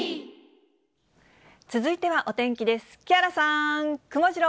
続いてはお天気です。